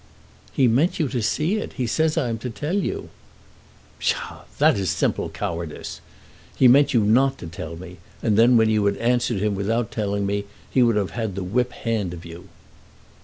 "He meant you to see it. He says I am to tell you." "Psha! That is simple cowardice. He meant you not to tell me; and then when you had answered him without telling me, he would have had the whip hand of you."